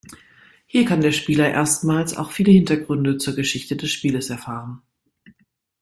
Hier kann der Spieler erstmals auch viele Hintergründe zur Geschichte des Spieles erfahren.